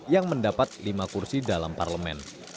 yang mendapat lima kursi dalam parlemen